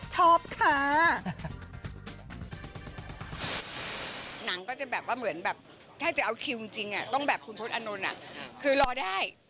ชอบค่ะหนังก็จะแบบว่าเหมือนแบบถ้าจะเอาคิวจริงต้องแบบคุณทศอานนท์คือรอได้